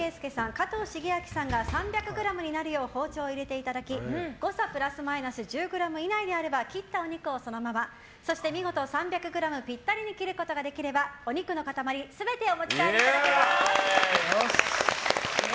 加藤シゲアキさんが３００ｇになるよう包丁を入れていただき誤差プラスマイナス１０ｇ以内であれば切ったお肉をそのままそして、見事３００ｇぴったりに切ることができればお肉の塊全てお持ち帰りいただけます。